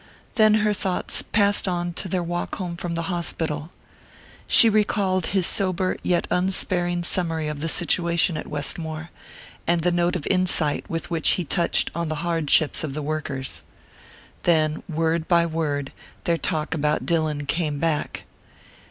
Then her thoughts passed on to their walk home from the hospital she recalled his sober yet unsparing summary of the situation at Westmore, and the note of insight with which he touched on the hardships of the workers.... Then, word by word, their talk about Dillon came back...